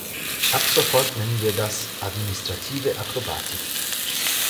Ab sofort nennen wir das "administrative Akrobatik".